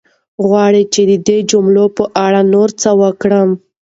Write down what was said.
غواړې چې د دغو جملو په اړه نور څه وکړم؟